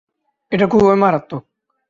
এটা খুবই মারাত্মক।